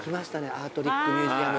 アートリックミュージアム。